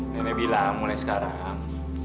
nenek bilang mulai sekarang